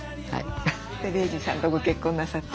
で玲児さんとご結婚なさって。